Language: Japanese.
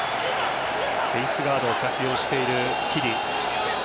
フェースガード着用しているスキリ。